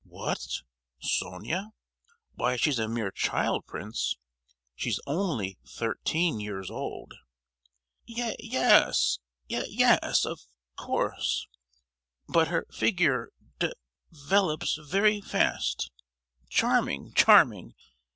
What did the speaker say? "What, Sonia? Why she's a mere child, prince? She's only thirteen years old." "Ye—yes, ye—yes, of course; but her figure de—velops very fast—charming, charming!